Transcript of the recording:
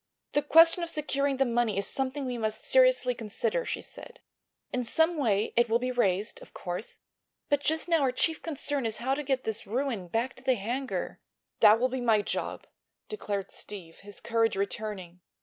"The question of securing the money is something we must seriously consider," she said. "In some way it will be raised, of course. But just now our chief problem is how to get this ruin back to the hangar." "That will be my job," declared Steve, his courage returning.